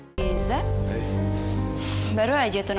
sampai jumpa di video selanjutnya